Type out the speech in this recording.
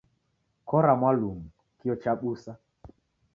Kora mwalumu kio chabusa